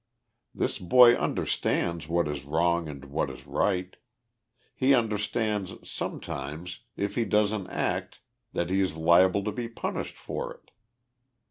This boy understands what is wrong and what is right. He understands, sometimes, if he does an act that he is liable to be punished for it.